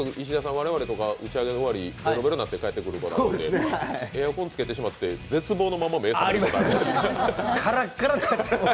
我々、打ち上げ終わり、ベロベロになって帰ってくるからエアコンつけてしまって絶望のまま目が覚めることがあります。